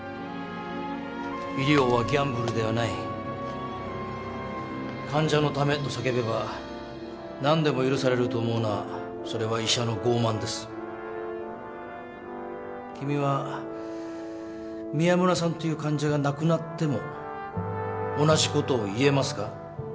医療はギャンブルではない患者のためと叫べば何でも許されると思うのはそれは医者の傲慢です君は宮村さんという患者が亡くなっても同じことを言えますか？